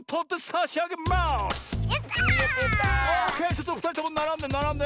ちょっとふたりともならんでならんで！